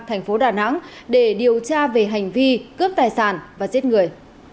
thành phố đà nẵng để điều tra về hành vi cướp tài sản và giết người